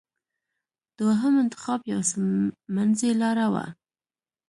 دوهم انتخاب یو څه منځۍ لاره وه.